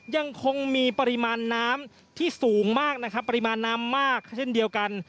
ยังคงมีปริมาณน้ำที่สูงมากนะครับปริมาณน้ำมากเช่นเดียวกัน